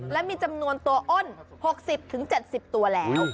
และมีจำนวนตัวอ้น๖๐๗๐ตัวแล้ว